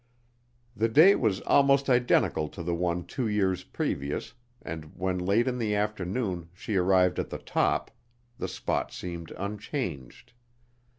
The day was almost identical to the one two years previous, and when, late in the afternoon, she arrived at the top, the spot seemed unchanged.